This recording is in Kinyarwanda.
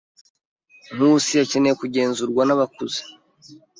Nkusi akeneye kugenzurwa nabakuze.